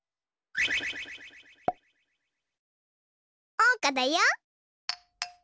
おうかだよ！